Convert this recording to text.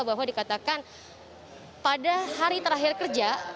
bahwa dikatakan pada hari terakhir kerja